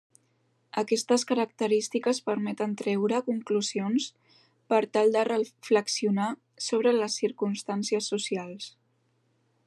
Aquestes característiques permeten treure conclusions per tal de reflexionar sobre les circumstàncies socials.